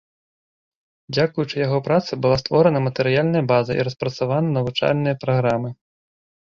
Дзякуючы яго працы была створана матэрыяльная база і распрацаваны навучальныя праграмы.